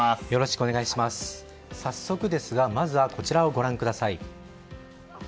早速ですがまずはこちらをご覧ください。